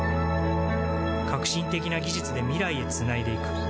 革新的な技術で未来へつないでいく